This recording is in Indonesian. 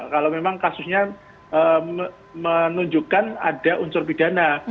kalau memang kasusnya menunjukkan ada unsur pidana